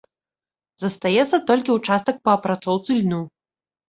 Застаецца толькі ўчастак па апрацоўцы льну.